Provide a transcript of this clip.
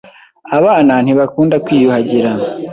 Abana ntibakunda kwiyuhagira.